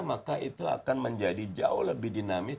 maka itu akan menjadi jauh lebih dinamis